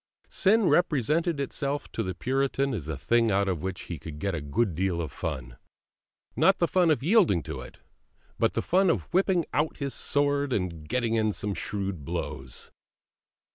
Sin represented itself to the Puritan as a thing out of which he could get a good deal of fun; not the fun of yielding to it, but the fun of whipping out his sword and getting in some shrewd blows.